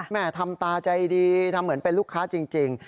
แม่ทำตาใจดีทำเหมือนเป็นลูกค้าจริง